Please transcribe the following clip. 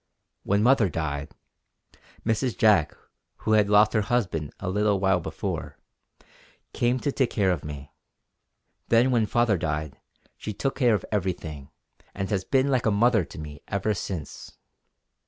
When mother died, Mrs. Jack, who had lost her husband a little while before, came to take care of me. Then when father died she took care of everything; and has been like a mother to me ever since.